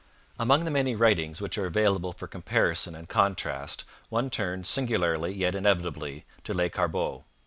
Among the many writings which are available for comparison and contrast one turns, singularly yet inevitably, to Lescarbot.